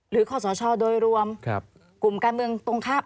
ขอสชโดยรวมกลุ่มการเมืองตรงข้าม